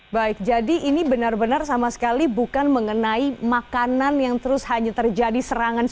baik jadi ini benar benar sama sekali bukan mengenai makanan yang terus hanya terjadi serangan